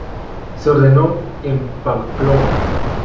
Se ordenó en Pamplona.